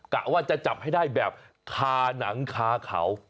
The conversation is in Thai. กะว่าจะจับให้ได้แบบคาหนังคาเขา